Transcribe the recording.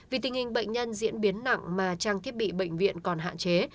vì tình hình bệnh nhân diễn biến nặng mà trang thiết bị bệnh viện còn hạn chế